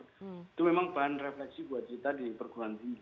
itu memang bahan refleksi buat kita di perguanti